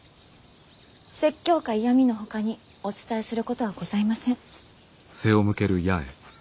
説教か嫌みのほかにお伝えすることはございません。